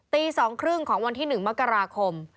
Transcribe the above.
ตี๒๓๐ของวันที่๑มกราคม